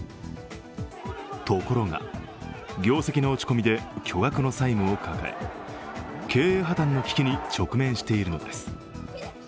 ところが業績の落ち込みで巨額の債務を抱え経営破綻の危機に直面しているのです。